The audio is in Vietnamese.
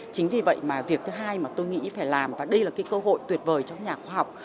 chính vì vậy mà việc thứ hai mà tôi nghĩ phải làm và đây là cái cơ hội tuyệt vời cho nhà khoa học